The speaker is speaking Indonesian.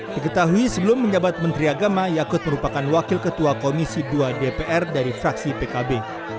diketahui sebelum menjabat menteri agama yakut merupakan wakil ketua komisi dua dpr dari fraksi pkb